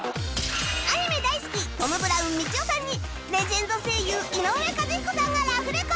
アニメ大好きトム・ブラウンみちおさんにレジェンド声優井上和彦さんがラフレコ